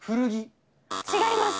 違います。